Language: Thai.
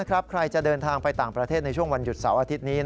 ใครจะเดินทางไปต่างประเทศในช่วงวันหยุดเสาร์อาทิตย์นี้